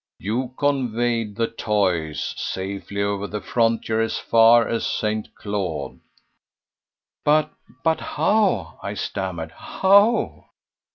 You conveyed 'the toys' safely over the frontier as far as St. Claude." "But how?" I stammered, "how?"